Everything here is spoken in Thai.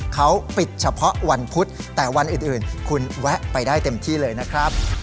เขาปิดเฉพาะวันพุธแต่วันอื่นคุณแวะไปได้เต็มที่เลยนะครับ